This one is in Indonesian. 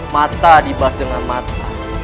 mata dibalas dengan mata